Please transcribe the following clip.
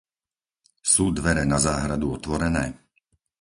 Sú dvere na záhradu otvorené?